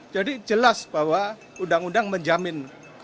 jadi jelas bahwa undang undang menjamin